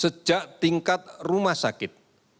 sejak tingkat rumah sakit